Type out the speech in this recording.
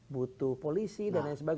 butuh polisi dan lain sebagainya